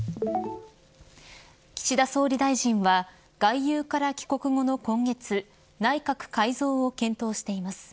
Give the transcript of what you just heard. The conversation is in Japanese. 岸田総理大臣は外遊から帰国後の今月内閣改造を検討しています。